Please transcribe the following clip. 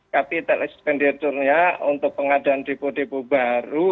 capital expenditure nya untuk pengadaan depo depo baru